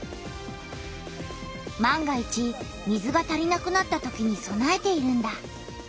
万が一水が足りなくなったときにそなえているんだ。